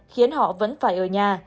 khiến họ vẫn phải ở nhà